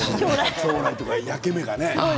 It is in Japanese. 将来というか、焼き目がね。